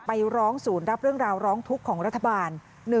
ไปร้องศูนย์รับเรื่องราวร้องทุกข์ของรัฐบาล